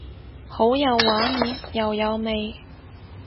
好有畫面又有味